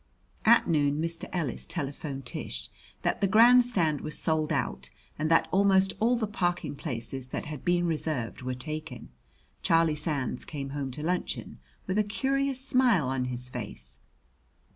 At noon Mr. Ellis telephoned Tish that the grand stand was sold out and that almost all the parking places that had been reserved were taken. Charlie Sands came home to luncheon with a curious smile on his face.